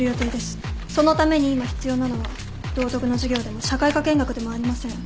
そのために今必要なのは道徳の授業でも社会科見学でもありません。